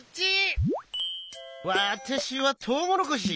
わたしはトウモロコシ。